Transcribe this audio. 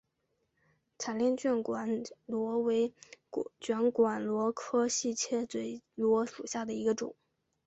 彩炼卷管螺为卷管螺科细切嘴螺属下的一个种。